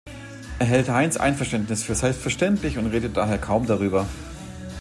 Er hält Heinz‘ Einverständnis für selbstverständlich und redet daher kaum darüber.